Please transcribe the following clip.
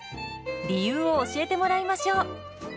理由を教えてもらいましょう。